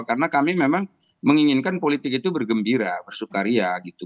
karena kami memang menginginkan politik itu bergembira bersukaria gitu